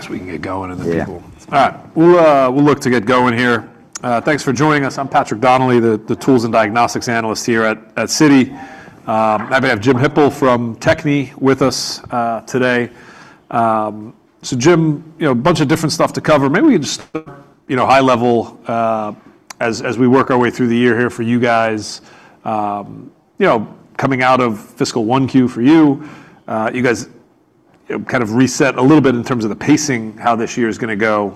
Next we can get going in the table. Yeah. All right. We'll look to get going here. Thanks for joining us. I'm Patrick Donnelly, the tools and diagnostics analyst here at Citi. Happy to have Jim Hippel from Bio-Techne with us today. So Jim, you know, a bunch of different stuff to cover. Maybe we can just start, you know, high level, as we work our way through the year here for you guys. You know, coming out of fiscal 1Q for you, you guys, you know, kind of reset a little bit in terms of the pacing, how this year is gonna go.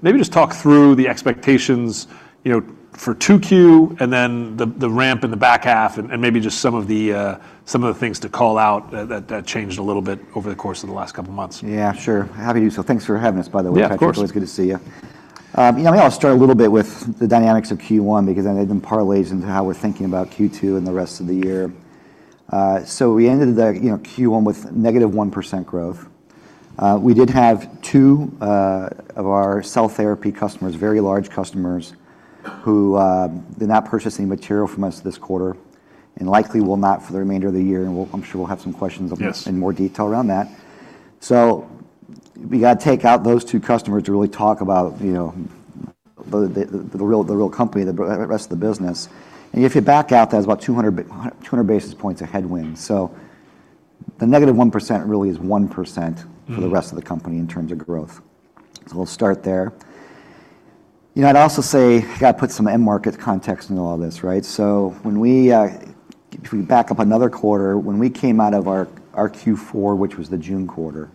Maybe just talk through the expectations, you know, for 2Q and then the ramp in the back half and maybe just some of the things to call out that changed a little bit over the course of the last couple months. Yeah, sure. Happy to do so. Thanks for having us, by the way. Yeah, of course. It's always good to see you. You know, maybe I'll start a little bit with the dynamics of Q1 because then it parlays into how we're thinking about Q2 and the rest of the year. So we ended the, you know, Q1 with -1% growth. We did have two of our cell therapy customers, very large customers who did not purchase any material from us this quarter and likely will not for the remainder of the year, and we'll, I'm sure we'll have some questions about. Yes. In more detail around that. So we gotta take out those two customers to really talk about, you know, the real company, the rest of the business. And if you back out, that's about 200 basis points of headwind. So the -1% really is 1% for the rest of the company in terms of growth. So we'll start there. You know, I'd also say I gotta put some end market context into all this, right? So when we, if we back up another quarter, when we came out of our Q4, which was the June quarter,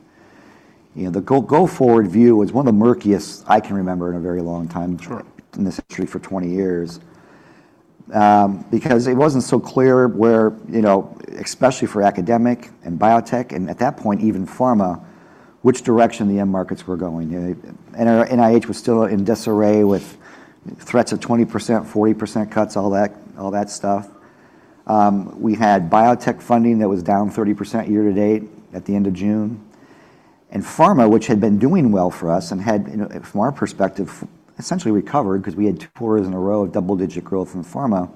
you know, the go forward view was one of the murkiest I can remember in a very long time. Sure. In this industry for 20 years because it wasn't so clear where, you know, especially for academic and Biotech, and at that point, even Pharma, which direction the end markets were going, and our NIH was still in disarray with threats of 20%, 40% cuts, all that, all that stuff. We had Biotech funding that was down 30% year to date at the end of June, and Pharma, which had been doing well for us and had, you know, from our perspective, essentially recovered 'cause we had 2Quarters in a row of double digit growth in Pharma.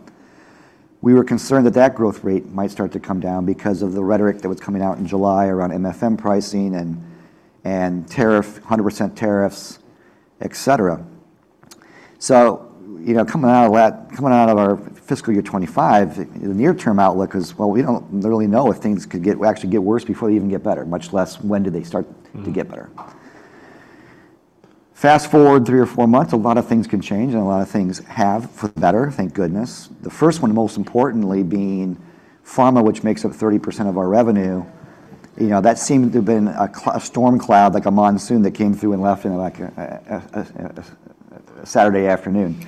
We were concerned that that growth rate might start to come down because of the rhetoric that was coming out in July around MFN pricing and, and tariff, 100% tariffs, et cetera. So, you know, coming out of that, coming out of our fiscal year 2025, the near-term outlook is, well, we don't really know if things could get, actually get worse before they even get better, much less when do they start to get better. Fast forward three or four months, a lot of things can change and a lot of things have for the better, thank goodness. The first one, most importantly, being Pharma, which makes up 30% of our revenue, you know, that seemed to have been a low storm cloud, like a monsoon that came through and left in like a Saturday afternoon.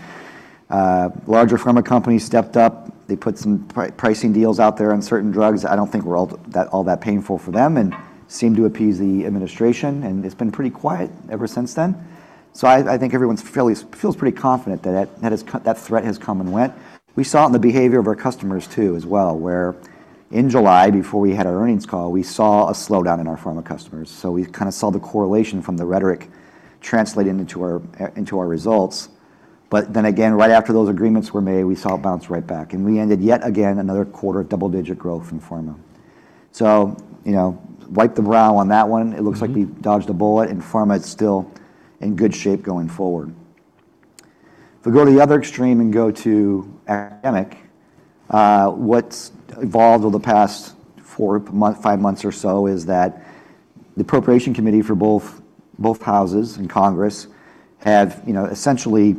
Larger Pharma companies stepped up. They put some pricing deals out there on certain drugs. I don't think we're all that painful for them and seemed to appease the administration. And it's been pretty quiet ever since then. So I think everyone feels pretty confident that that threat has come and went. We saw it in the behavior of our customers too as well, where in July, before we had our earnings call, we saw a slowdown in our Pharma customers. So we kind of saw the correlation from the rhetoric translate into our results. But then again, right after those agreements were made, we saw it bounce right back. And we ended yet again another quarter of double digit growth in Pharma. So, you know, wipe the brow on that one. It looks like we dodged a bullet and Pharma is still in good shape going forward. If we go to the other extreme and go to academic, what's evolved over the past four months, five months or so is that the appropriations committee for both houses in Congress have, you know, essentially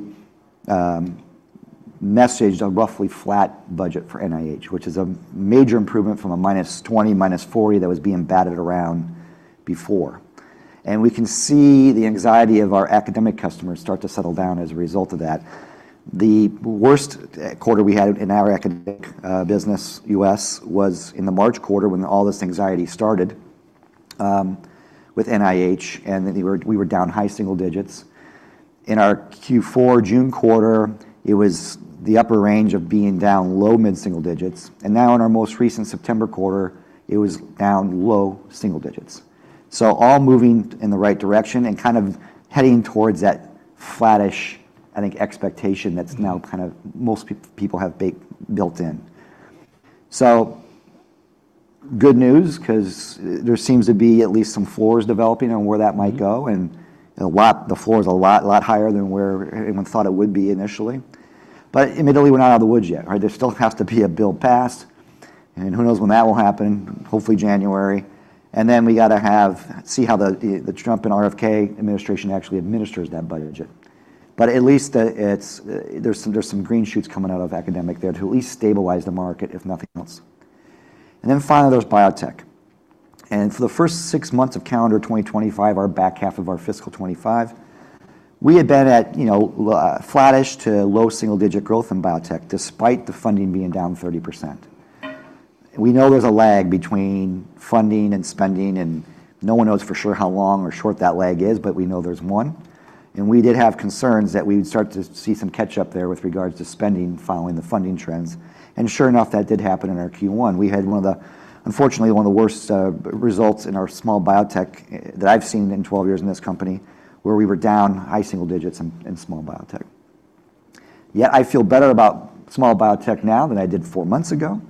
messaged a roughly flat budget for NIH, which is a major improvement from a -20% to -40% that was being batted around before. And we can see the anxiety of our academic customers start to settle down as a result of that. The worst quarter we had in our academic business, U.S., was in the March quarter when all this anxiety started with NIH and that we were down high single digits. In our Q4 June quarter, it was the upper range of being down low mid-single digits. And now in our most recent September quarter, it was down low single digits. All moving in the right direction and kind of heading towards that flattish, I think, expectation that's now kind of most people have baked in. So good news 'cause there seems to be at least some floors developing on where that might go. And the floor's a lot higher than where anyone thought it would be initially. But admittedly, we're not out of the woods yet, right? There still has to be a bill passed and who knows when that will happen, hopefully January. And then we gotta see how the Trump and RFK administration actually administers that budget. But at least there's some green shoots coming out of academic there to at least stabilize the market, if nothing else. And then finally, there's Biotech. For the first six months of calendar 2025, our back half of our fiscal 2025, we had been at, you know, flatish to low single digit growth in Biotech despite the funding being down 30%. We know there's a lag between funding and spending and no one knows for sure how long or short that lag is, but we know there's one. We did have concerns that we would start to see some catch-up there with regards to spending following the funding trends. And sure enough, that did happen in our Q1. We had one of the, unfortunately, one of the worst results in our small Biotech that I've seen in 12 years in this company where we were down high single digits in small Biotech. Yet I feel better about small Biotech now than I did four months ago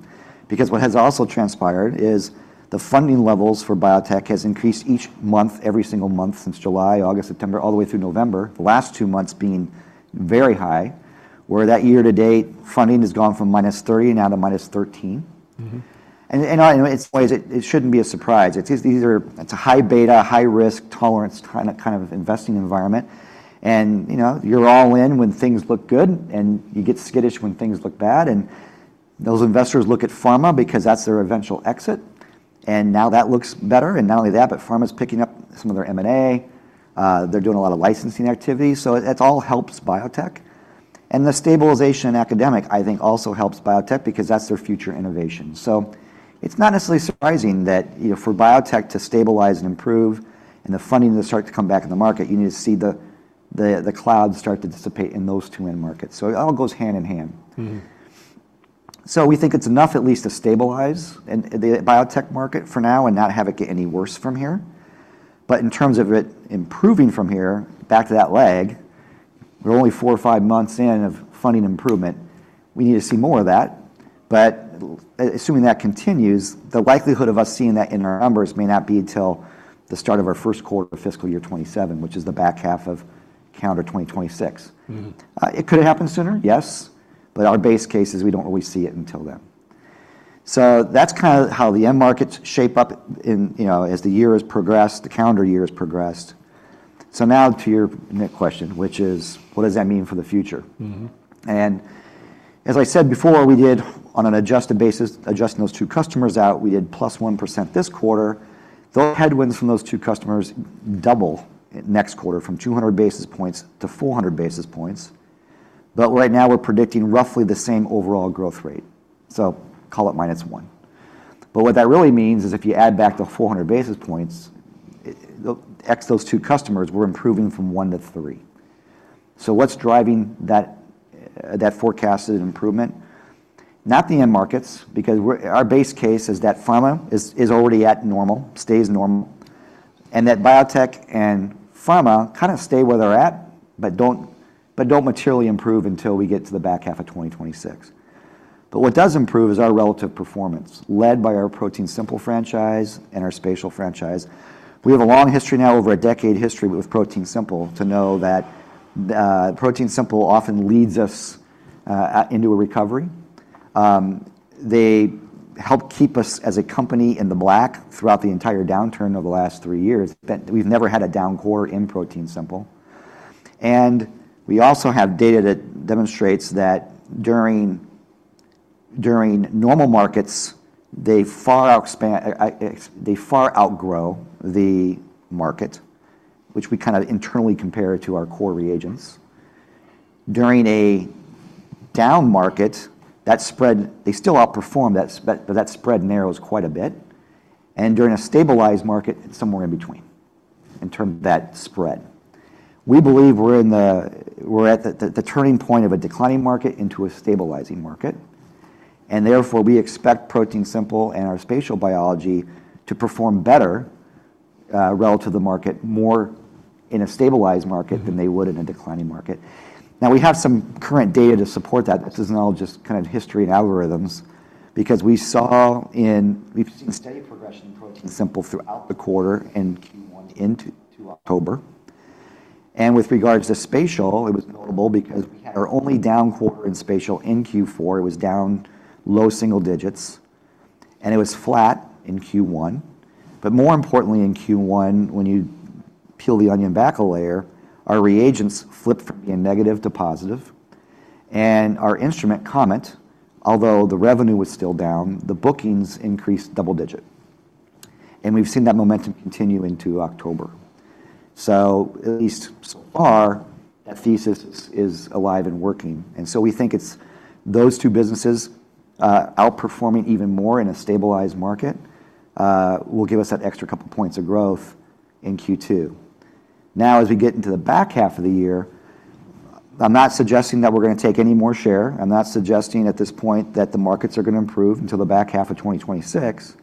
because what has also transpired is the funding levels for Biotech has increased each month, every single month since July, August, September, all the way through November, the last two months being very high, where that year to date, funding has gone from -30% now to -13%. Mm-hmm. And in some ways, it shouldn't be a surprise. It's just, it's a high beta, high risk tolerance kind of investing environment. And, you know, you're all in when things look good and you get skittish when things look bad. And those investors look at Pharma because that's their eventual exit. And now that looks better. And not only that, but Pharma's picking up some of their M&A. They're doing a lot of licensing activity. So it all helps Biotech. And the stabilization in academic, I think, also helps Biotech because that's their future innovation. So it's not necessarily surprising that, you know, for Biotech to stabilize and improve and the funding to start to come back in the market, you need to see the cloud start to dissipate in those two end markets. So it all goes hand in hand. Mm-hmm. So we think it's enough at least to stabilize the Biotech market for now and not have it get any worse from here. But in terms of it improving from here, back to that lag, we're only four or five months in of funding improvement. We need to see more of that. But assuming that continues, the likelihood of us seeing that in our numbers may not be until the start of our first quarter of fiscal year 2027, which is the back half of calendar 2026. Mm-hmm. It could have happened sooner, yes. But our base case is we don't really see it until then. So that's kind of how the end markets shape up in, you know, as the year has progressed, the calendar year has progressed. So now to your next question, which is, what does that mean for the future? Mm-hmm. And as I said before, we did on an adjusted basis, adjusting those two customers out, we did +1% this quarter. Those headwinds from those two customers double next quarter from 200 basis points to 400 basis points. But right now we're predicting roughly the same overall growth rate. So call it minus one. But what that really means is if you add back the 400 basis points, the ex those two customers, we're improving from one to three. So what's driving that, that forecasted improvement? Not the end markets because we're, our base case is that Pharma is, is already at normal, stays normal, and that Biotech and Pharma kind of stay where they're at, but don't, but don't materially improve until we get to the back half of 2026. But what does improve is our relative performance led by our ProteinSimple franchise and our Spatial franchise. We have a long history now, over a decade history with ProteinSimple, to know that ProteinSimple often leads us into a recovery. They help keep us as a company in the black throughout the entire downturn of the last three years. But we've never had a down quarter in ProteinSimple. And we also have data that demonstrates that during normal markets, they far outperform, they far outgrow the market, which we kind of internally compare to our core reagents. During a down market, that spread, they still outperform that, but that spread narrows quite a bit. And during a stabilized market, it's somewhere in between in terms of that spread. We believe we're at the turning point of a declining market into a stabilizing market. Therefore, we expect ProteinSimple and our Spatial Biology to perform better, relative to the market, more in a stabilized market than they would in a declining market. Now, we have some current data to support that. This isn't all just kind of history and algorithms because we've seen steady progression in ProteinSimple throughout the quarter and Q1 into October. With regards to Spatial, it was notable because we had our only down quarter in Spatial in Q4. It was down low single digits and it was flat in Q1. But more importantly, in Q1, when you peel the onion back a layer, our reagents flipped from being negative to positive. And our instrument component, although the revenue was still down, the bookings increased double-digit. And we've seen that momentum continue into October. So at least so far, that thesis is alive and working. And so we think it's those two businesses, outperforming even more in a stabilized market, will give us that extra couple points of growth in Q2. Now, as we get into the back half of the year, I'm not suggesting that we're gonna take any more share. I'm not suggesting at this point that the markets are gonna improve until the back half of 2026.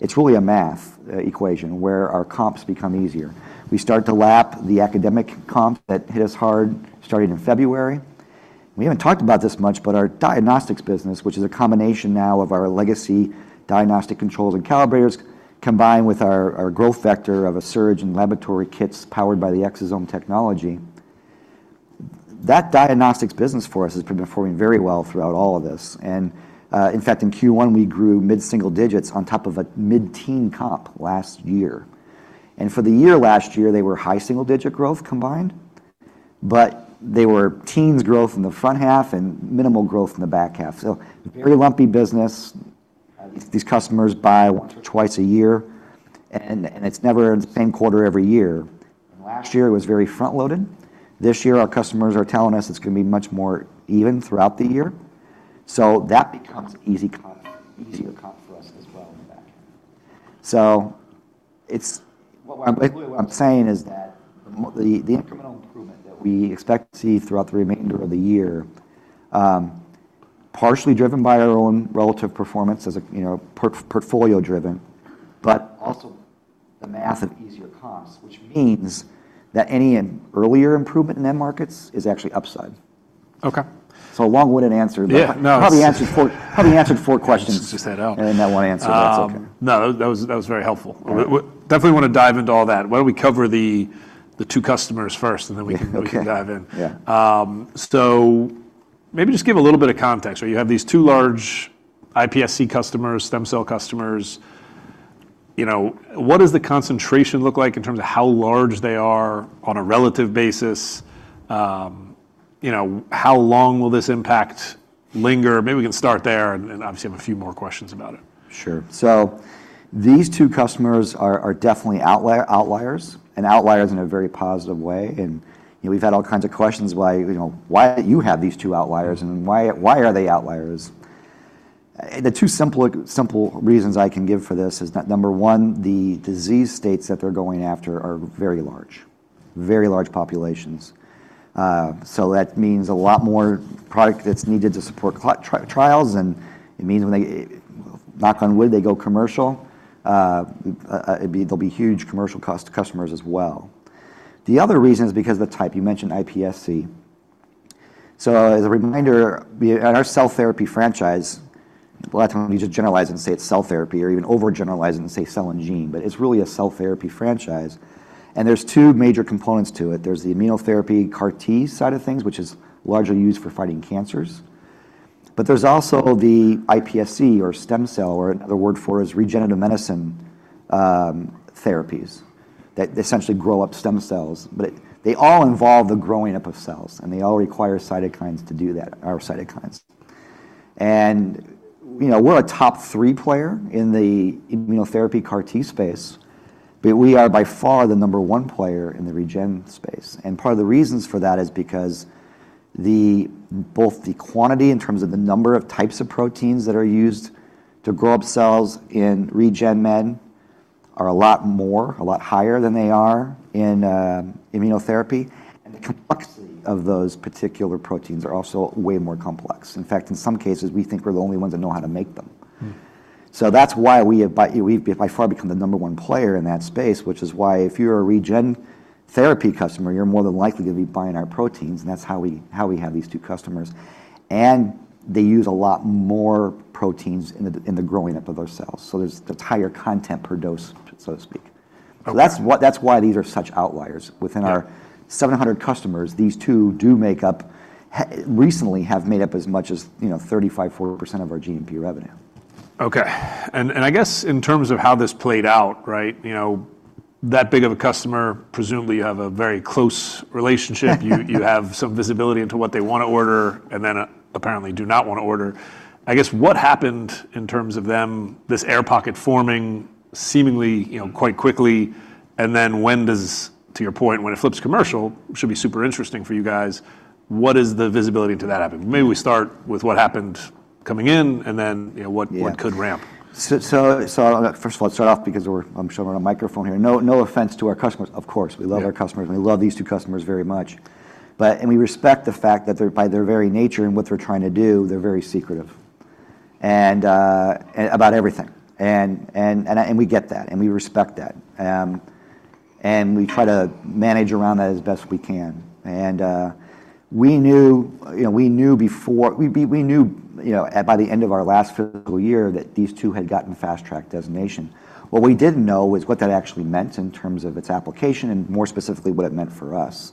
It's really a math equation where our comps become easier. We start to lap the academic comps that hit us hard starting in February. We haven't talked about this much, but our diagnostics business, which is a combination now of our legacy diagnostic controls and calibrators combined with our growth vector of a surge in laboratory kits powered by the exosome technology, that diagnostics business for us has been performing very well throughout all of this, and in fact, in Q1, we grew mid-single digits on top of a mid-teen comp last year, and for the year last year, they were high single digit growth combined, but they were teens growth in the front half and minimal growth in the back half, so very lumpy business. These customers buy twice a year and it's never in the same quarter every year. Last year, it was very front loaded. This year, our customers are telling us it's gonna be much more even throughout the year. So that becomes easy comp, easier comp for us as well in the back. So it's what I'm saying is that the incremental improvement that we expect to see throughout the remainder of the year, partially driven by our own relative performance as a, you know, portfolio driven, but also the math of easier comps, which means that any earlier improvement in end markets is actually upside. Okay. A long-winded answer, but probably answered 4Questions. Just that out. And then that one answer. Oh, no, that was very helpful. We definitely wanna dive into all that. Why don't we cover the two customers first and then we can dive in? Yeah. So maybe just give a little bit of context. You have these two large iPSC customers, stem cell customers. You know, what does the concentration look like in terms of how large they are on a relative basis? You know, how long will this impact linger? Maybe we can start there and obviously have a few more questions about it. Sure. So these two customers are definitely outliers, and outliers in a very positive way. And, you know, we've had all kinds of questions why, you know, why do you have these two outliers and why are they outliers? The two simple reasons I can give for this is that number one, the disease states that they're going after are very large populations. So that means a lot more product that's needed to support trials. And it means when they, knock on wood, they go commercial, it'd be, there'll be huge commercial customers as well. The other reason is because of the type you mentioned, iPSC. So as a reminder, we are our cell therapy franchise. A lot of times we just generalize and say it's cell therapy or even overgeneralize and say cell and gene, but it's really a cell therapy franchise. And there's two major components to it. There's the immunotherapy CAR T side of things, which is largely used for fighting cancers. But there's also the iPSC or stem cell, or another word for it is regenerative medicine, therapies that essentially grow up stem cells. But they all involve the growing up of cells and they all require cytokines to do that, our cytokines. And, you know, we're a top three player in the immunotherapy CAR T space, but we are by far the number one player in the regen space. And part of the reasons for that is because the, both the quantity in terms of the number of types of proteins that are used to grow up cells in regen med are a lot more, a lot higher than they are in, immunotherapy. And the complexity of those particular proteins are also way more complex. In fact, in some cases, we think we're the only ones that know how to make them. So that's why we've by far become the number one player in that space, which is why if you're a regen therapy customer, you're more than likely gonna be buying our proteins. And that's how we have these two customers. And they use a lot more proteins in the growing up of their cells. So there's the higher content per dose, so to speak. So that's what, that's why these are such outliers. Within our 700 customers, these two do make up, recently have made up as much as, you know, 35%-40% of our GMP revenue. Okay. And I guess in terms of how this played out, right? You know, that big of a customer. Presumably you have a very close relationship. You have some visibility into what they wanna order and then apparently do not wanna order. I guess what happened in terms of them, this air pocket forming seemingly, you know, quite quickly? And then when does, to your point, when it flips commercial, should be super interesting for you guys. What is the visibility to that happen? Maybe we start with what happened coming in and then, you know, what could ramp? I'll first of all start off because we're on a microphone here. No offense to our customers. Of course, we love our customers and we love these two customers very much. We respect the fact that they're, by their very nature and what they're trying to do, very secretive about everything. We get that and we respect that. We try to manage around that as best we can. We knew, you know, by the end of our last fiscal year that these two had gotten Fast Track designation. What we didn't know was what that actually meant in terms of its application and more specifically what it meant for us.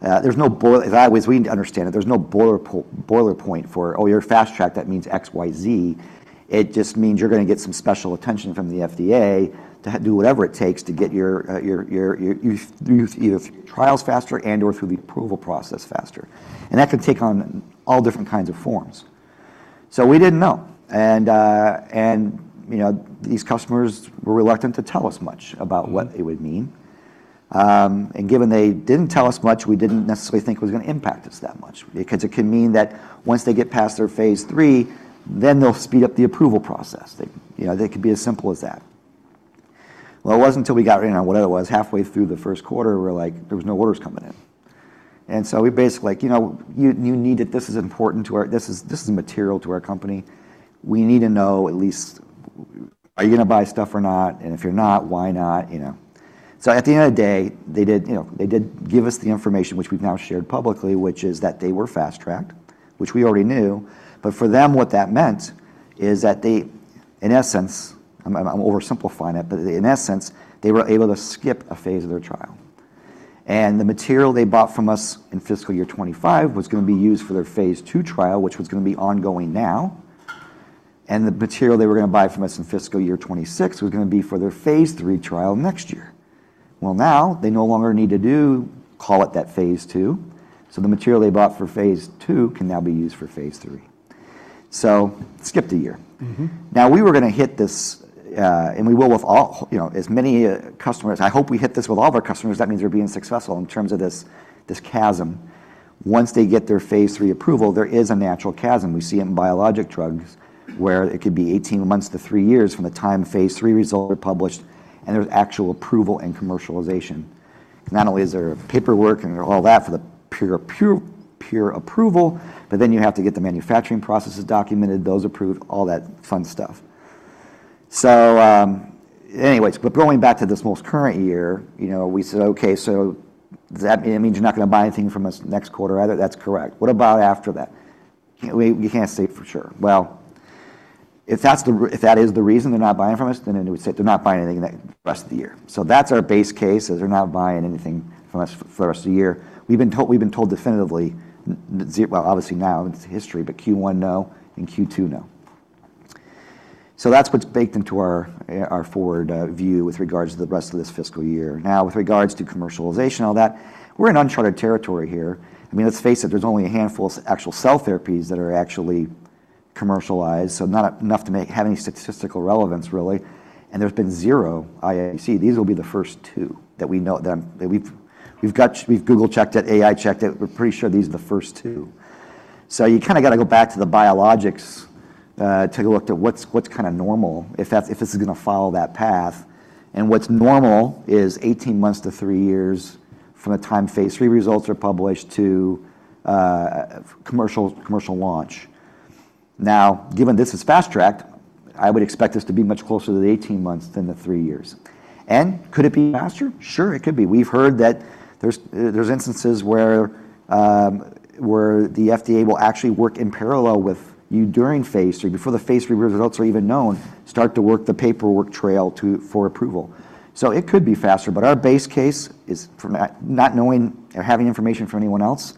There's no spoiler that way we understand it. There's no boilerplate point for, oh, you're fast tracked, that means X, Y, Z. It just means you're gonna get some special attention from the FDA to do whatever it takes to get your either through trials faster and/or through the approval process faster. And that can take on all different kinds of forms. So we didn't know. And you know, these customers were reluctant to tell us much about what it would mean. And given they didn't tell us much, we didn't necessarily think it was gonna impact us that much because it can mean that once they get past their phase III, then they'll speed up the approval process. They you know, they could be as simple as that. It wasn't until we got written on whatever it was, halfway through the first quarter, we're like, there was no orders coming in. And so we basically like, you know, you need it. This is important to our, this is material to our company. We need to know at least, are you gonna buy stuff or not? And if you're not, why not? You know? So at the end of the day, they did, you know, they did give us the information, which we've now shared publicly, which is that they were fast tracked, which we already knew. But for them, what that meant is that they, in essence, I'm oversimplifying it, but in essence, they were able to skip a phase of their trial. The material they bought from us in fiscal year 2025 was gonna be used for their phase II trial, which was gonna be ongoing now. The material they were gonna buy from us in fiscal year 2026 was gonna be for their phase III trial next year. Well, now they no longer need to do, call it that phase II. So the material they bought for phase II can now be used for phase III. So skipped a year. Now we were gonna hit this, and we will with all, you know, as many customers. I hope we hit this with all of our customers. That means we're being successful in terms of this, this chasm. Once they get their phase III approval, there is a natural chasm. We see it in biologic drugs where it could be 18 months to three years from the time phase III results are published and there's actual approval and commercialization. Not only is there paperwork and all that for the peer approval, but then you have to get the manufacturing processes documented, those approved, all that fun stuff. Anyways, but going back to this most current year, you know, we said, okay, so that means you're not gonna buy anything from us next quarter either. That's correct. What about after that? We can't say for sure. Well, if that is the reason they're not buying from us, then we say they're not buying anything the rest of the year. That's our base case is they're not buying anything from us for the rest of the year. We've been told, we've been told definitively. Well, obviously now it's history, but Q1, no, and Q2, no. So that's what's baked into our forward view with regards to the rest of this fiscal year. Now, with regards to commercialization and all that, we're in uncharted territory here. I mean, let's face it, there's only a handful of actual cell therapies that are actually commercialized. So not enough to have any statistical relevance really. And there's been zero IMC. These will be the first two that we know that we've got. We've Google checked it, AI checked it. We're pretty sure these are the first two. So you kind of gotta go back to the biologics, take a look at what's kind of normal if that's, if this is gonna follow that path. What's normal is 18 months to three years from the time phase III results are published to commercial launch. Now, given this is fast tracked, I would expect this to be much closer to the 18 months than the three years. Could it be faster? Sure, it could be. We've heard that there are instances where the FDA will actually work in parallel with you during phase III, before the phase III results are even known, start to work the paperwork trail for approval. So it could be faster, but our base case is from not knowing or having information from anyone else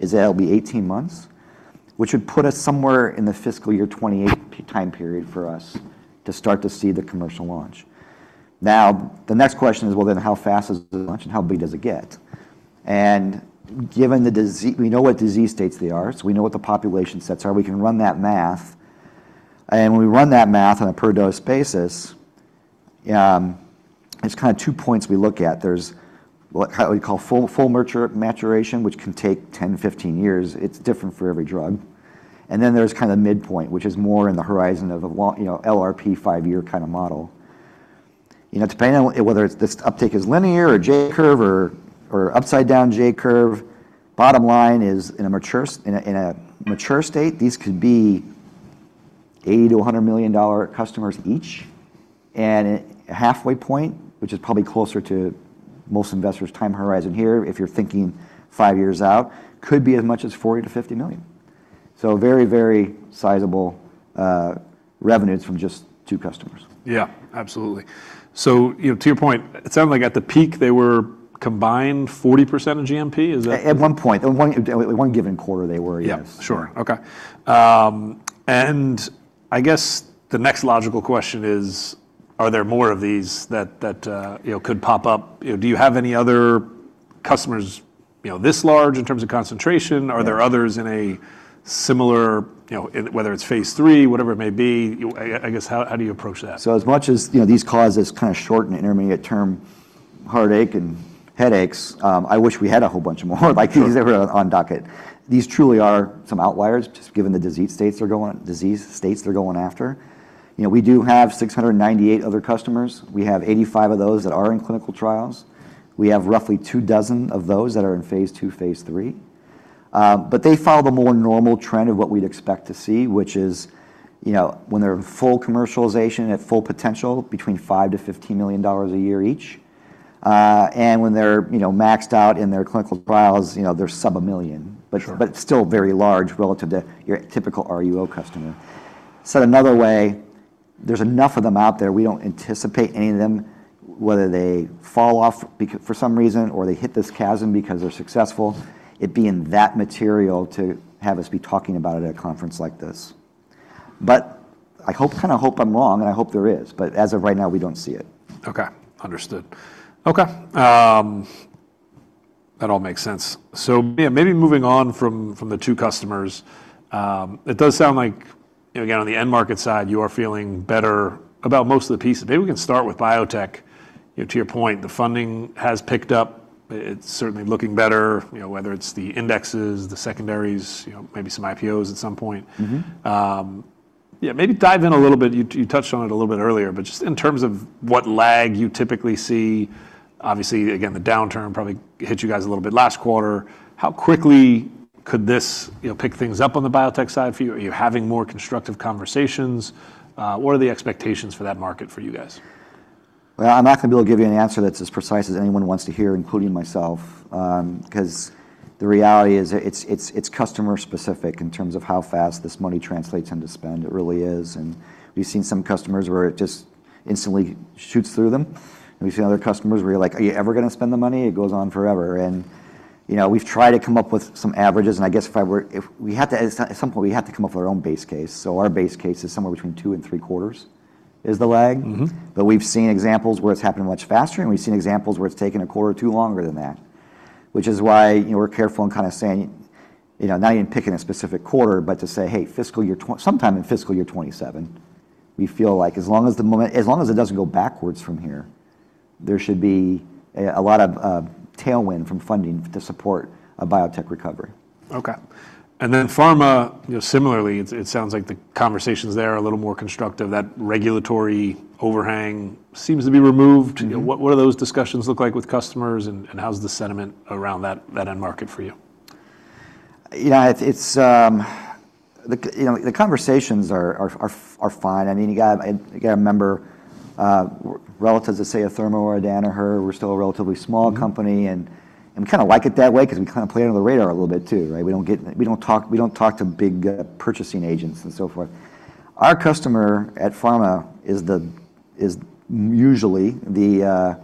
is that it'll be 18 months, which would put us somewhere in the fiscal year 2028 time period for us to start to see the commercial launch. Now, the next question is, well, then how fast is the launch and how big does it get? And given the disease, we know what disease states they are, so we know what the population sets are. We can run that math. And when we run that math on a per dose basis, there's kind of two points we look at. There's what we call full mature maturation, which can take 10, 15 years. It's different for every drug. And then there's kind of midpoint, which is more in the horizon of a long, you know, LRP five year kind of model. You know, depending on whether it's this uptake is linear or J curve or upside down J curve, bottom line is in a mature state, these could be $80 million-$100 million customers each. A halfway point, which is probably closer to most investors' time horizon here, if you're thinking five years out, could be as much as $40 million-$50 million. Very, very sizable revenues from just two customers. Yeah, absolutely. So, you know, to your point, it sounded like at the peak they were combined 40% of GMP. Is that? At one point, in one given quarter they were, yes. Yeah, sure. Okay. And I guess the next logical question is, are there more of these that you know, could pop up? You know, do you have any other customers you know, this large in terms of concentration? Are there others in a similar you know, whether it's phase III, whatever it may be? I guess how do you approach that? So as much as, you know, these cause this kind of short- and intermediate-term heartache and headaches, I wish we had a whole bunch more like these that were on docket. These truly are some outliers just given the disease states they're going after. You know, we do have 698 other customers. We have 85 of those that are in clinical trials. We have roughly two dozen of those that are in phase II, phase III. But they follow the more normal trend of what we'd expect to see, which is, you know, when they're in full commercialization at full potential between $5 million-$15 million a year each. And when they're, you know, maxed out in their clinical trials, you know, they're sub-$1 million, but still very large relative to your typical RUO customer. So in another way, there's enough of them out there. We don't anticipate any of them, whether they fall off because for some reason or they hit this chasm because they're successful, it being that material to have us be talking about it at a conference like this. But I hope, kind of hope I'm wrong and I hope there is, but as of right now, we don't see it. Okay. Understood. Okay. That all makes sense. So yeah, maybe moving on from the two customers, it does sound like, you know, again, on the end market side, you are feeling better about most of the pieces. Maybe we can start with Biotech. You know, to your point, the funding has picked up. It's certainly looking better, you know, whether it's the indexes, the secondaries, you know, maybe some IPOs at some point. Yeah, maybe dive in a little bit. You touched on it a little bit earlier, but just in terms of what lag you typically see, obviously again, the downturn probably hit you guys a little bit last quarter. How quickly could this, you know, pick things up on the Biotech side for you? Are you having more constructive conversations? What are the expectations for that market for you guys? I'm not gonna be able to give you an answer that's as precise as anyone wants to hear, including myself. 'Cause the reality is it's customer specific in terms of how fast this money translates into spend. It really is. We've seen some customers where it just instantly shoots through them. We've seen other customers where you're like, are you ever gonna spend the money? It goes on forever. You know, we've tried to come up with some averages. I guess if I were, if we had to, at some point, we had to come up with our own base case. Our base case is somewhere between two and 3Quarters is the lag. But we've seen examples where it's happened much faster, and we've seen examples where it's taken a quarter or two longer than that, which is why, you know, we're careful in kind of saying, you know, not even picking a specific quarter, but to say, hey, fiscal year 2025, sometime in fiscal year 2027, we feel like as long as the momentum, as long as it doesn't go backwards from here, there should be a lot of tailwind from funding to support a Biotech recovery. Okay. And then Pharma, you know, similarly, it sounds like the conversations there are a little more constructive. That regulatory overhang seems to be removed. You know, what do those discussions look like with customers and how's the sentiment around that end market for you? Yeah, it's the, you know, the conversations are fine. I mean, you got, you gotta remember, relative to, say, a Thermo or a Danaher, we're still a relatively small company and we kind of like it that way 'cause we kind of play under the radar a little bit too, right? We don't talk to big purchasing agents and so forth. Our customer at Pharma is usually the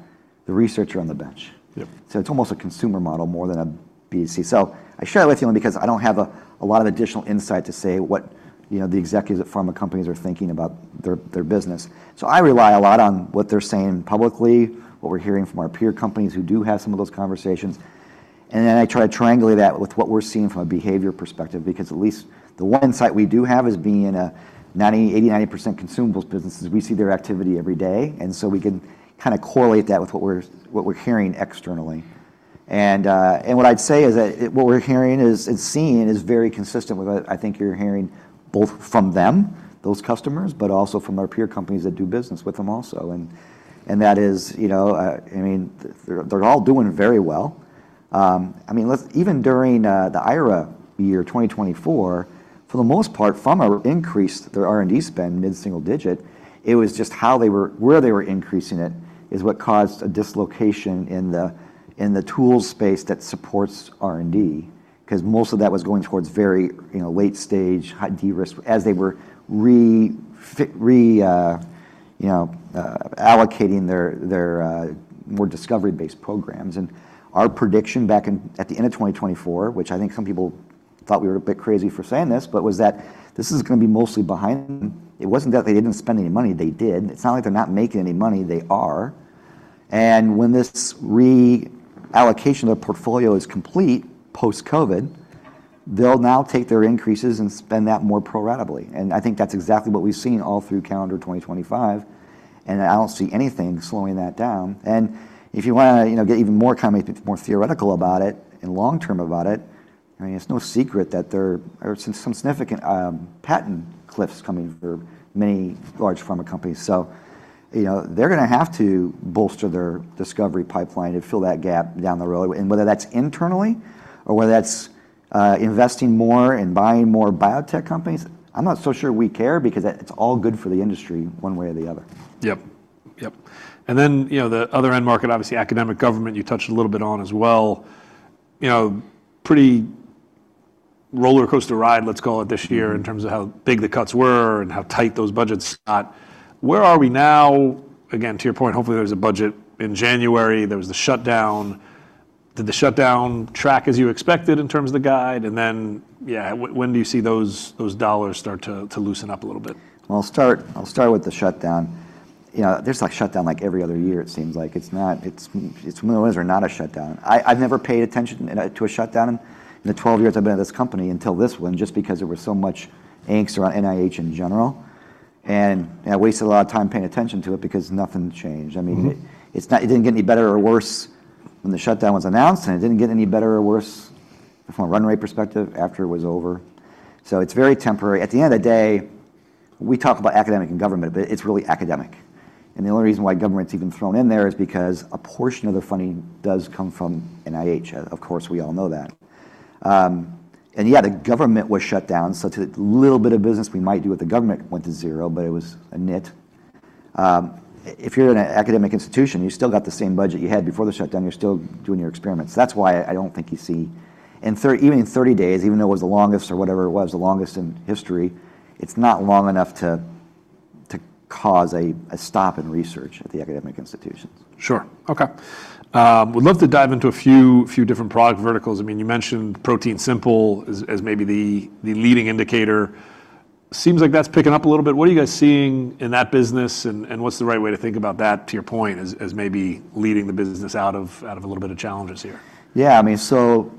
researcher on the bench. Yep. It's almost a consumer model more than a B2C. I share it with you only because I don't have a lot of additional insight to say what, you know, the executives at Pharma companies are thinking about their business. I rely a lot on what they're saying publicly, what we're hearing from our peer companies who do have some of those conversations. Then I try to triangulate that with what we're seeing from a behavior perspective, because at least the one insight we do have is being in an 80%-90% consumables business. We see their activity every day. We can kind of correlate that with what we're hearing externally. What I'd say is that what we're hearing is seen is very consistent with what I think you're hearing both from them, those customers, but also from our peer companies that do business with them also. That is, you know, I mean, they're all doing very well. I mean, even during the IRA year 2024, for the most part, Pharma increased their R&D spend mid-single-digit. It was just how they were, where they were increasing it is what caused a dislocation in the tools space that supports R&D, 'cause most of that was going towards very, you know, late stage high de-risk as they were reprioritizing, you know, allocating their more discovery based programs. Our prediction back in at the end of 2024, which I think some people thought we were a bit crazy for saying this, but was that this is gonna be mostly behind them. It wasn't that they didn't spend any money. They did. It's not like they're not making any money. They are. And when this reallocation of the portfolio is complete post COVID, they'll now take their increases and spend that more pro-ratably. And I think that's exactly what we've seen all through calendar 2025. And I don't see anything slowing that down. And if you wanna, you know, get even more kind of more theoretical about it and long term about it, I mean, it's no secret that there are some significant patent cliffs coming for many large Pharma companies. So, you know, they're gonna have to bolster their discovery pipeline to fill that gap down the road. And whether that's internally or whether that's, investing more and buying more Biotech companies, I'm not so sure we care because it's all good for the industry one way or the other. Yep. Yep. And then, you know, the other end market, obviously academic government, you touched a little bit on as well, you know, pretty rollercoaster ride, let's call it this year in terms of how big the cuts were and how tight those budgets got. Where are we now? Again, to your point, hopefully there's a budget in January. There was the shutdown. Did the shutdown track as you expected in terms of the guide? And then, yeah, when do you see those dollars start to loosen up a little bit? I'll start with the shutdown. You know, there's like shutdown like every other year. It seems like it's not when there was or not a shutdown. I've never paid attention to a shutdown in the 12 years I've been at this company until this one, just because there were so much angst around NIH in general. And I wasted a lot of time paying attention to it because nothing changed. I mean, it's not. It didn't get any better or worse when the shutdown was announced and it didn't get any better or worse from a runway perspective after it was over. So it's very temporary. At the end of the day, we talk about academic and government, but it's really academic. And the only reason why government's even thrown in there is because a portion of the funding does come from NIH. Of course, we all know that. And yeah, the government was shut down. So to a little bit of business we might do with the government went to zero, but it was a nit. If you're in an academic institution, you still got the same budget you had before the shutdown. You're still doing your experiments. That's why I don't think you see, in 30, even in 30 days, even though it was the longest or whatever it was, the longest in history, it's not long enough to cause a stop in research at the academic institutions. Sure. Okay. I would love to dive into a few different product verticals. I mean, you mentioned ProteinSimple as maybe the leading indicator. Seems like that's picking up a little bit. What are you guys seeing in that business and what's the right way to think about that to your point as maybe leading the business out of a little bit of challenges here? Yeah, I mean, so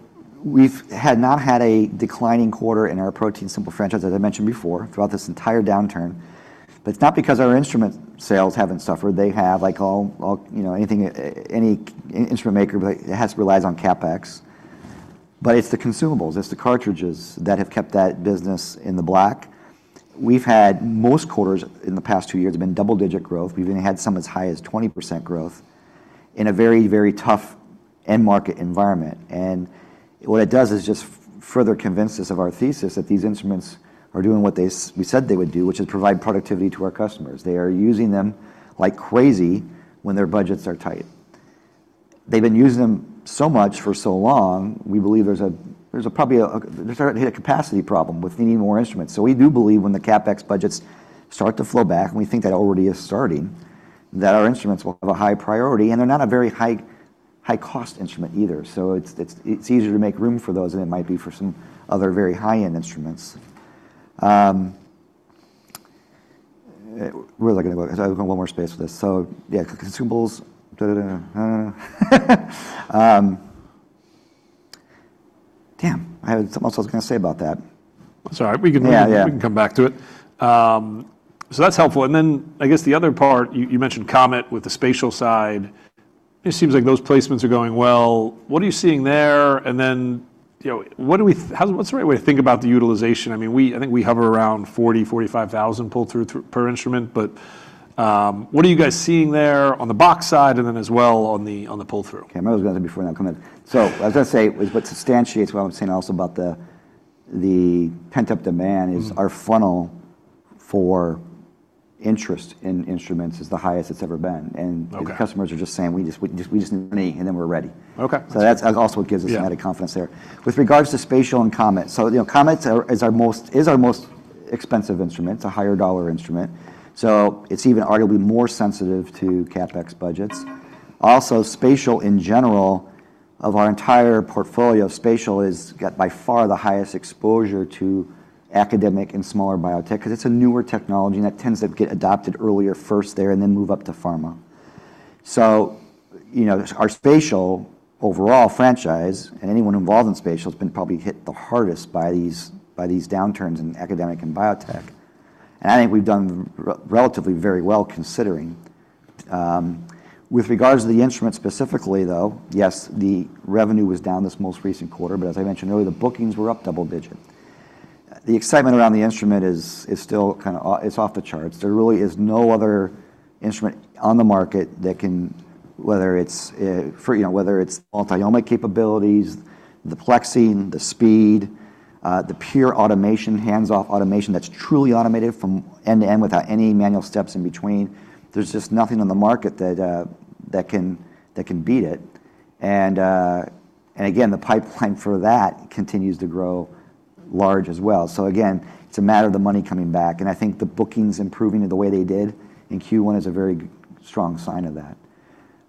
we've not had a declining quarter in our ProteinSimple franchise, as I mentioned before, throughout this entire downturn. But it's not because our instrument sales haven't suffered. They have like all, you know, any instrument maker, but it has to rely on CapEx. But it's the consumables, it's the cartridges that have kept that business in the black. We've had most quarters in the past two years have been double-digit growth. We've even had some as high as 20% growth in a very, very tough end market environment. And what it does is just further convince us of our thesis that these instruments are doing what we said they would do, which is provide productivity to our customers. They are using them like crazy when their budgets are tight. They've been using them so much for so long. We believe there's probably a capacity problem with needing more instruments. So we do believe when the CapEx budgets start to flow back, and we think that already is starting, that our instruments will have a high priority and they're not a very high-cost instrument either. So it's easier to make room for those than it might be for some other very high-end instruments. We're looking at, I was gonna go one more space with this. So yeah, consumables, damn, I had something else I was gonna say about that. That's all right. We can come back to it. So that's helpful. And then I guess the other part, you mentioned COMET with the spatial side. It seems like those placements are going well. What are you seeing there? And then, you know, what's the right way to think about the utilization? I mean, I think we hover around 40,000-45,000 pull through per instrument, but what are you guys seeing there on the box side and then as well on the pull through? Okay. I was gonna say before that comment. So I was gonna say what substantiates what I'm saying also about the pent-up demand is our funnel for interest in instruments is the highest it's ever been. And the customers are just saying we just need money and then we're ready. Okay. So that's also what gives us added confidence there with regards to spatial and COMET. So, you know, COMET is our most expensive instrument, a higher dollar instrument. So it's even arguably more sensitive to CapEx budgets. Also, spatial in general of our entire portfolio of spatial has got by far the highest exposure to academic and smaller Biotech 'cause it's a newer technology and that tends to get adopted earlier first there and then move up to Pharma. So, you know, our spatial overall franchise and anyone involved in spatial has been probably hit the hardest by these downturns in academic and Biotech. And I think we've done relatively very well considering, with regards to the instrument specifically though, yes, the revenue was down this most recent quarter, but as I mentioned earlier, the bookings were up double digit. The excitement around the instrument is still kind of; it's off the charts. There really is no other instrument on the market that can, whether it's, for, you know, whether it's multi-omics capabilities, the plexing, the speed, the pure automation, hands-off automation that's truly automated from end to end without any manual steps in between. There's just nothing on the market that can beat it. And again, the pipeline for that continues to grow large as well. So again, it's a matter of the money coming back. And I think the bookings improving the way they did in Q1 is a very strong sign of that,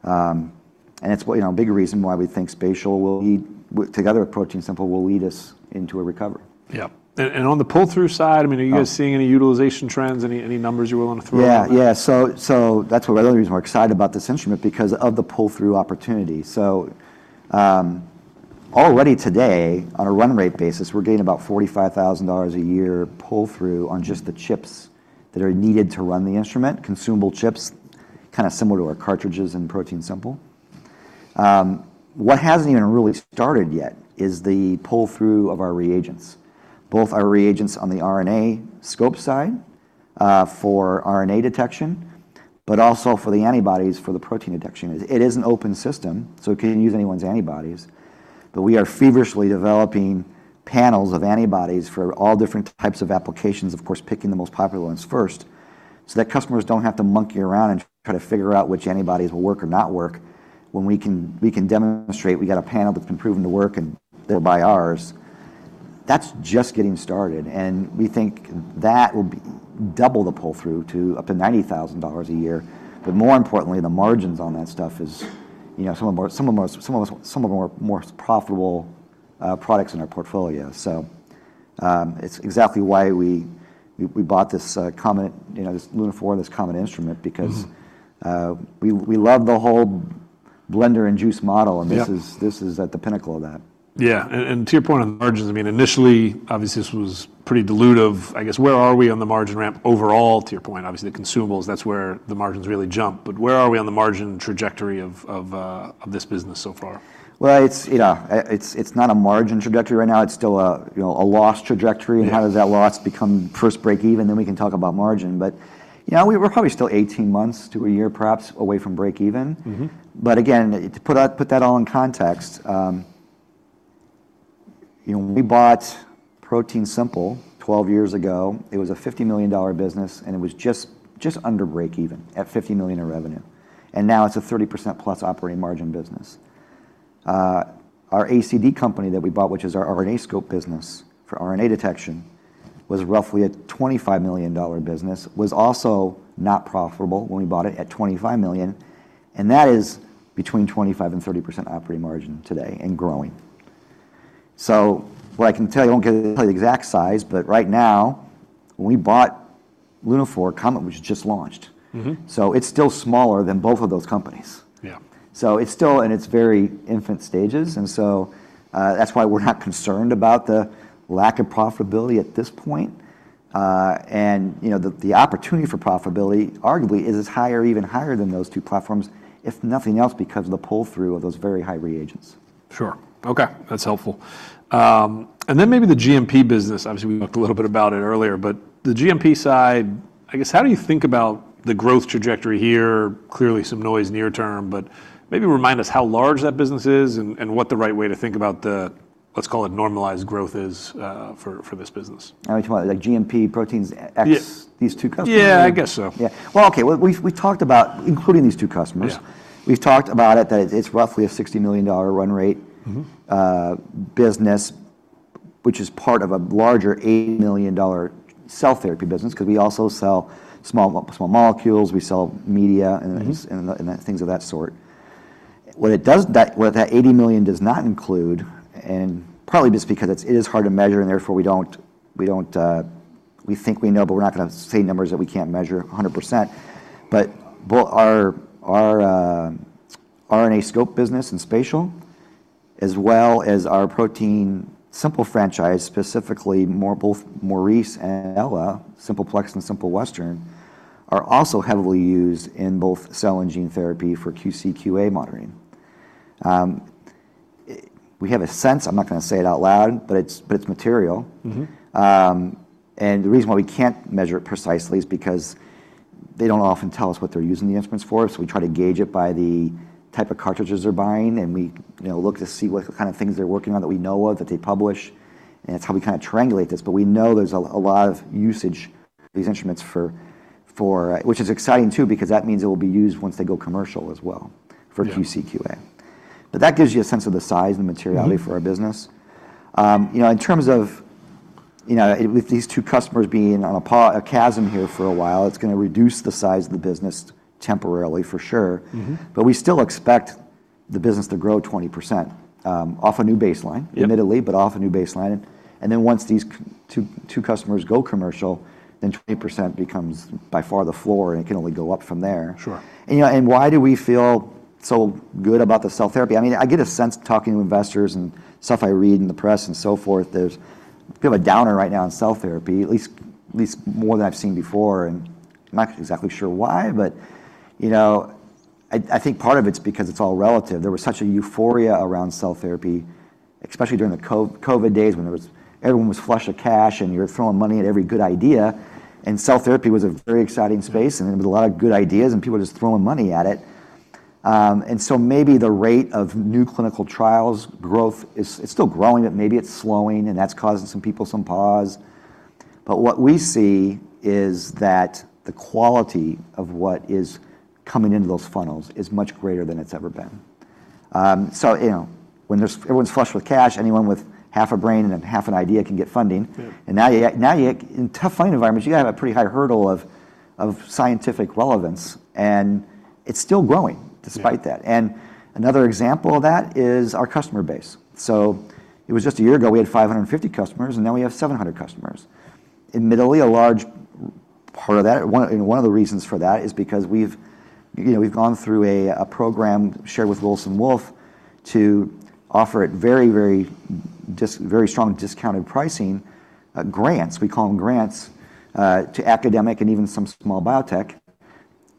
and it's what, you know, a big reason why we think spatial will lead together with ProteinSimple will lead us into a recovery. Yep. And on the pull through side, I mean, are you guys seeing any utilization trends, any numbers you're willing to throw? Yeah. Yeah. So, so that's what another reason we're excited about this instrument because of the pull through opportunity. So, already today on a run rate basis, we're getting about $45,000 a year pull through on just the chips that are needed to run the instrument, consumable chips, kind of similar to our cartridges and ProteinSimple. What hasn't even really started yet is the pull through of our reagents, both our reagents on the RNAscope side, for RNA detection, but also for the antibodies for the protein detection. It is an open system, so it can use anyone's antibodies, but we are feverishly developing panels of antibodies for all different types of applications, of course, picking the most popular ones first so that customers don't have to monkey around and try to figure out which antibodies will work or not work when we can demonstrate we got a panel that's been proven to work and they buy ours. That's just getting started, and we think that will be double the pull through to up to $90,000 a year. More importantly, the margins on that stuff is, you know, some of our more profitable products in our portfolio. It's exactly why we bought this COMET, you know, this Lunaphore, this COMET instrument because we love the whole razor and blade model. This is at the pinnacle of that. Yeah. And to your point on the margins, I mean, initially, obviously this was pretty dilutive. I guess where are we on the margin ramp overall to your point? Obviously the consumables, that's where the margins really jump. But where are we on the margin trajectory of this business so far? It's, you know, not a margin trajectory right now. It's still a, you know, loss trajectory. And how does that loss become first break even? Then we can talk about margin. But, you know, we're probably still 18 months to a year, perhaps, away from break even. But again, to put that all in context, you know, we bought ProteinSimple 12 years ago. It was a $50 million business and it was just under break even at $50 million in revenue. And now it's a 30%+ operating margin business. Our ACD company that we bought, which is our RNAscope business for RNA detection, was roughly a $25 million business, was also not profitable when we bought it at $25 million. And that is between 25% and 30% operating margin today and growing. So what I can tell you, I won't get to tell you the exact size, but right now when we bought Lunaphore, COMET, which is just launched, so it's still smaller than both of those companies. Yeah. So it's still, and it's very infant stages. And so, that's why we're not concerned about the lack of profitability at this point. And you know, the opportunity for profitability arguably is higher, even higher than those two platforms, if nothing else, because of the pull through of those very high reagents. Sure. Okay. That's helpful, and then maybe the GMP business, obviously we talked a little bit about it earlier, but the GMP side, I guess how do you think about the growth trajectory here? Clearly some noise near term, but maybe remind us how large that business is and, and what the right way to think about the, let's call it normalized growth is, for, for this business. I mean, like GMP proteins X, these two customers. Yeah, I guess so. Yeah. Well, okay. Well, we've talked about including these two customers. We've talked about it that it's roughly a $60 million run-rate business, which is part of a larger $80 million cell therapy business. 'Cause we also sell small molecules. We sell media and things of that sort. What that $80 million does not include, and probably just because it is hard to measure and therefore we don't, we think we know, but we're not gonna say numbers that we can't measure 100%. But both our RNAscope business and spatial, as well as our ProteinSimple franchise, specifically both Maurice and Ella, Simple Plex and Simple Western are also heavily used in both cell and gene therapy for QC/QA monitoring. We have a sense. I'm not gonna say it out loud, but it's material. And the reason why we can't measure it precisely is because they don't often tell us what they're using the instruments for. So we try to gauge it by the type of cartridges they're buying. And we, you know, look to see what kind of things they're working on that we know of that they publish. And that's how we kind of triangulate this. But we know there's a lot of usage of these instruments for which is exciting too, because that means it will be used once they go commercial as well for QC/QA. But that gives you a sense of the size and the materiality for our business. You know, in terms of, you know, with these two customers being on pause has been here for a while, it's gonna reduce the size of the business temporarily for sure. But we still expect the business to grow 20%, off a new baseline admittedly, but off a new baseline. And then once these two, two customers go commercial, then 20% becomes by far the floor and it can only go up from there. Sure. You know, why do we feel so good about the cell therapy? I mean, I get a sense talking to investors and stuff I read in the press and so forth. There's a bit of a downer right now in cell therapy, at least more than I've seen before. I'm not exactly sure why, but you know, I think part of it's because it's all relative. There was such a euphoria around cell therapy, especially during the COVID days when everyone was flushed of cash and you were throwing money at every good idea. Cell therapy was a very exciting space and there was a lot of good ideas and people just throwing money at it. And so maybe the rate of new clinical trials growth is. It's still growing, but maybe it's slowing and that's causing some people some pause. But what we see is that the quality of what is coming into those funnels is much greater than it's ever been. So you know, when there's, everyone's flushed with cash, anyone with half a brain and half an idea can get funding. And now you in tough funding environments, you gotta have a pretty high hurdle of scientific relevance and it's still growing despite that. And another example of that is our customer base. So it was just a year ago, we had 550 customers and now we have 700 customers. Admittedly, a large part of that, one of the reasons for that is because we've, you know, we've gone through a program shared with Wilson Wolf to offer it very, very just very strong discounted pricing, grants. We call 'em grants, to academic and even some small Biotech,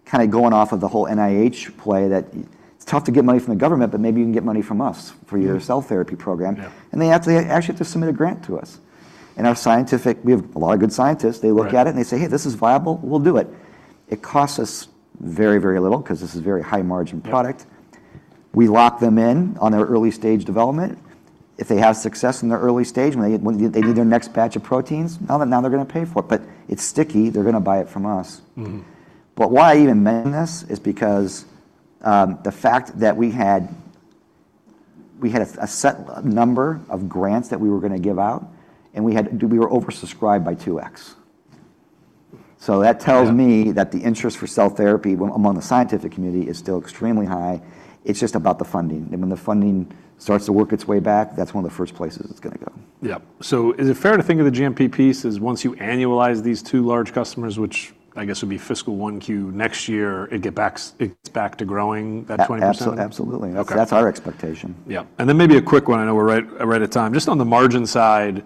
kind of going off of the whole NIH play that it's tough to get money from the government, but maybe you can get money from us for your cell therapy program. And they actually have to submit a grant to us. And our scientific, we have a lot of good scientists. They look at it and they say, hey, this is viable, we'll do it. It costs us very, very little 'cause this is a very high margin product. We lock them in on their early stage development. If they have success in their early stage, when they need their next batch of proteins, now they're gonna pay for it, but it's sticky. They're gonna buy it from us. But why I even mention this is because the fact that we had a set number of grants that we were gonna give out and we were oversubscribed by 2x. So that tells me that the interest for cell therapy among the scientific community is still extremely high. It's just about the funding, and when the funding starts to work its way back, that's one of the first places it's gonna go. Yep. So is it fair to think of the GMP piece as once you annualize these two large customers, which I guess would be fiscal 1Q next year, it gets back to growing that 20%? Absolutely. That's our expectation. Yep. And then maybe a quick one, I know we're right at time. Just on the margin side,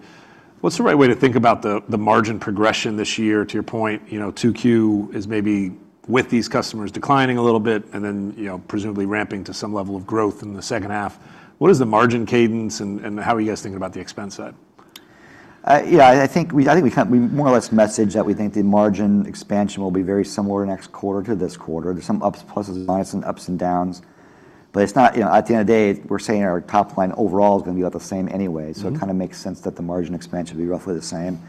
what's the right way to think about the margin progression this year to your point? You know, 2Q is maybe with these customers declining a little bit and then, you know, presumably ramping to some level of growth in the second half. What is the margin cadence and how are you guys thinking about the expense side? Yeah, I think we, I think we kind of, we more or less message that we think the margin expansion will be very similar next quarter to this quarter. There's some ups pluses, minuses, and ups and downs, but it's not, you know, at the end of the day, we're saying our top line overall is gonna be about the same anyway. So it kind of makes sense that the margin expansion would be roughly the same.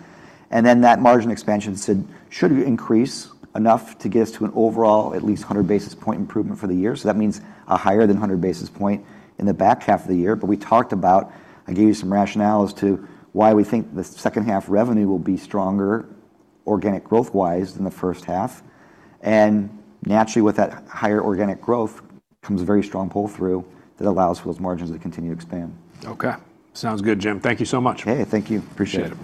And then that margin expansion should, should increase enough to get us to an overall at least a hundred basis point improvement for the year. So that means a higher than a hundred basis point in the back half of the year. But we talked about, I gave you some rationales to why we think the second half revenue will be stronger organic growth wise than the first half. Naturally with that higher organic growth comes a very strong pull through that allows for those margins to continue to expand. Okay. Sounds good, Jim. Thank you so much. Hey, thank you. Appreciate it.